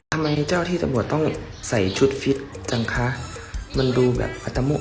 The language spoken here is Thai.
อ่ะมันมีเจ้าที่ตะบัวต้องใส่ชุดฟิตจังคะมันดูแบบ